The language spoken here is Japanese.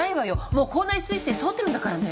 もう校内推薦通ってるんだからね？